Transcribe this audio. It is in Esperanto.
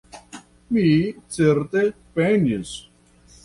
Mi, certe, penis.